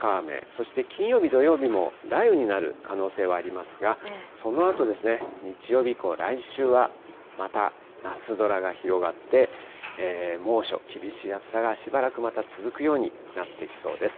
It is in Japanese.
そして金曜日、土曜日も雷雨になる可能性はありますが、そのあと、日曜日以降、来週はまた夏空が広がって、猛暑、厳しい暑さがしばらくまた続くようになってきそうです。